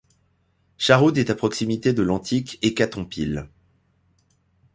Shahroud est à proximité de l'antique Hécatompyles.